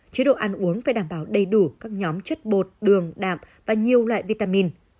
chế độ ăn uống phải đảm bảo đầy đủ các nhóm chất bột đường đạm và nhiều loại vitamin